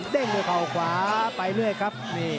เด้งข้าวขาไปเรื่อยครับ